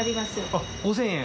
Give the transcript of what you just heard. あっ５０００円？